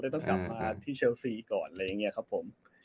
ต้องกลับมาที่เชลซีก่อนอะไรอย่างนี้ครับผม